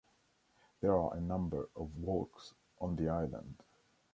There are a number of walks on the island.